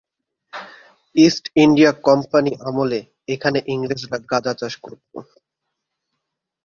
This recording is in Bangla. ইস্ট ইন্ডিয়া কোম্পানি আমলে এখানে ইংরেজরা গাঁজা চাষ করতো।